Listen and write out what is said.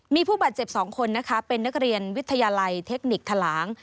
มีผู้บาดเจ็บ๒คนนะคะเป็นนักเรียนวิทยาลัยเทคนิคทะลาง